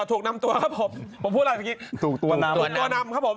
ถูกนำตัวครับผมผมพูดอะไรเมื่อกี้ถูกตัวนำถูกตัวนำครับผม